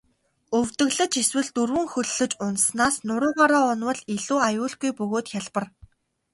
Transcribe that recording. Өвдөглөж эсвэл дөрвөн хөллөж унаснаас нуруугаараа унавал илүү аюулгүй бөгөөд хялбар.